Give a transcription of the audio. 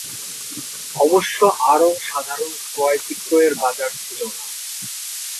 অবশ্য আড়ং সাধারণ ক্রয়-বিক্রয়ের বাজার ছিল না।